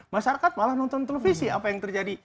masyarakat malah nonton televisi apa yang terjadi